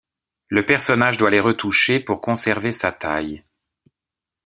Le personnage doit les retoucher pour conserver sa taille.